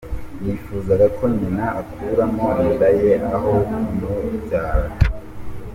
Yifuzaga ko nyina akuramo inda ye aho kumubyara